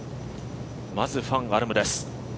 まずファン・アルムです